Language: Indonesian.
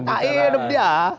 entah hidup dia